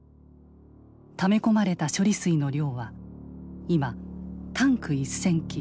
ため込まれた処理水の量は今タンク１，０００基